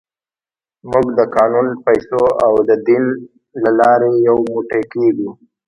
موږ د قانون، پیسو او دین له لارې یو موټی کېږو.